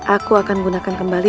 aku akan gunakan kembali